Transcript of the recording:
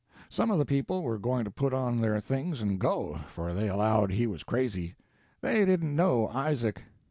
Some of the people were going to put on their things and go, for they allowed he was crazy. They didn't know Isaac.